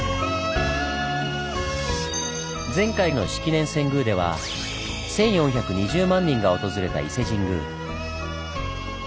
前回の式年遷宮では１４２０万人が訪れた伊勢神宮。